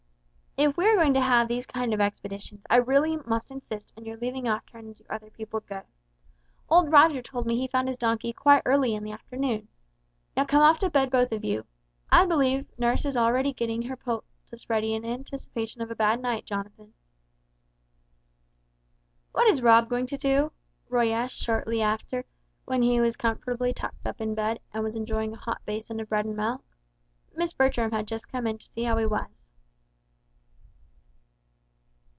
"If we are going to have these kind of expeditions, I really must insist upon your leaving off trying to do other people good. Old Roger told me he found his donkey quite early in the afternoon. Now come off to bed both of you. I believe nurse is already getting her poultice ready in anticipation of a bad night, Jonathan!" "What is Rob going to do?" Roy asked, shortly after, when he was comfortably tucked up in bed, and was enjoying a hot basin of bread and milk. Miss Bertram had just come in to see how he was.